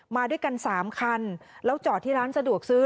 มาด้วยกัน๓คันแล้วจอดที่ร้านสะดวกซื้อ